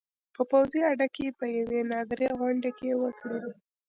په پوځي اډې کې په یوې نادرې غونډې کې وکړې